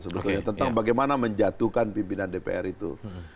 sebetulnya tentang bagaimana menjatuhkan pimpinan dpr itu